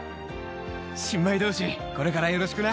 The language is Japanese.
新米どうし、これからよろしくな。